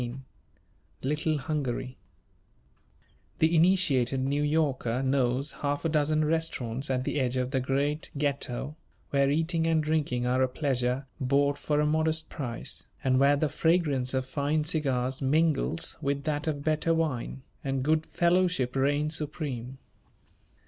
XVI LITTLE HUNGARY The initiated New Yorker knows half a dozen restaurants at the edge of the great Ghetto, where eating and drinking are a pleasure bought for a modest price, and where the fragrance of fine cigars mingles with that of better wine, and good fellowship reigns supreme.